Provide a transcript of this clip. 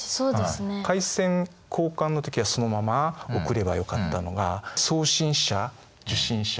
回線交換の時はそのまま送ればよかったのが送信者受信者